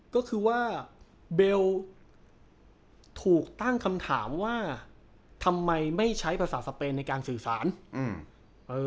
ก็คือว่าเบลถูกตั้งคำถามว่าทำไมไม่ใช้ภาษาสเปนในการสื่อสารอืมเออ